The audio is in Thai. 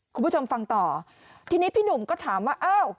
คุณผู้ชมฟังต่อทีนี้พี่หนุ่มก็ถามว่าอ้าว